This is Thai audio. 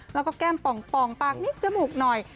แล้วก็แก้มป่องปากนิดจมูกหน่อย